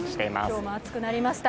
今日も暑くなりました。